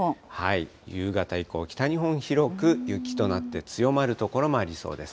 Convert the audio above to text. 夕方以降、北日本、広く雪となって、強まる所もありそうです。